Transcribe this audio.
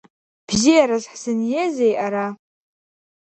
Бзиарас ҳзыниазеи ара?!